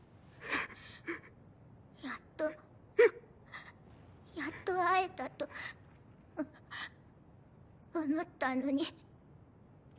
やっとやっと会えたとお思ったのに。